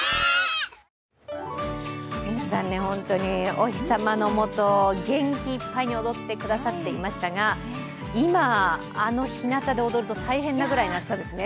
お日さまのもと、元気いっぱいに踊ってくれましたが、今、あのひなたで踊ると大変なぐらいの暑さですね。